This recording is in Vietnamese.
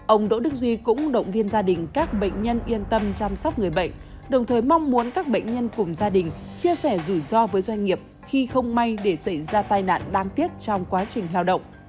ông đỗ đức duy cũng động viên gia đình các bệnh nhân yên tâm chăm sóc người bệnh đồng thời mong muốn các bệnh nhân cùng gia đình chia sẻ rủi ro với doanh nghiệp khi không may để xảy ra tai nạn đáng tiếc trong quá trình lao động